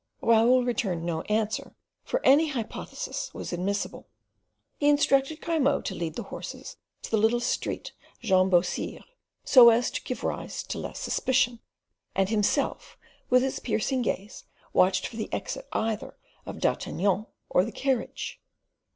Raoul returned no answer, for any hypothesis was admissible. He instructed Grimaud to lead the horses to the little street Jean Beausire, so as to give rise to less suspicion, and himself with his piercing gaze watched for the exit either of D'Artagnan or the carriage.